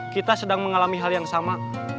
kita sedang mengalami hal yang sama